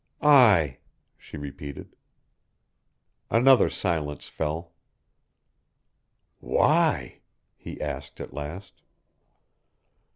"I," she repeated. Another silence fell. "Why?" he asked at last.